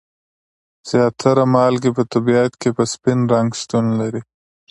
زیاتره مالګې په طبیعت کې په سپین رنګ شتون لري.